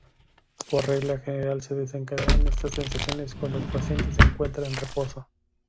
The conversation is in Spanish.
Por regla general se desencadenan estas sensaciones cuando el paciente se encuentra en reposo.